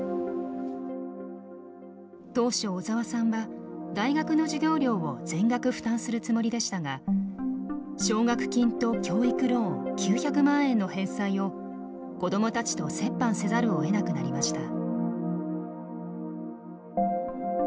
当初小沢さんは大学の授業料を全額負担するつもりでしたが奨学金と教育ローン９００万円の返済を子どもたちと折半せざるをえなくなりました。